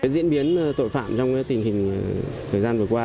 diễn biến tội phạm trong tình hình thời gian vừa qua